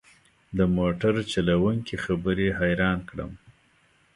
د موټر چلوونکي خبرې حيران کړم.